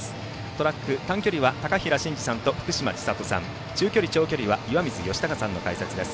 トラック、短距離は高平慎士さんと、福島千里さん中距離長距離は岩水嘉孝さんの解説です。